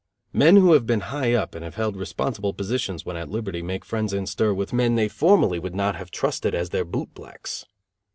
Men who have been high up and have held responsible positions when at liberty make friends in stir with men they formerly would not have trusted as their boot blacks.